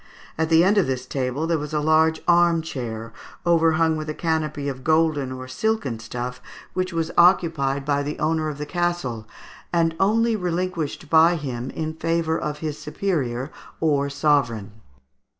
At the end of this table, there was a large arm chair, overhung with a canopy of golden or silken stuff, which was occupied by the owner of the castle, and only relinquished by him in favour of his superior or sovereign.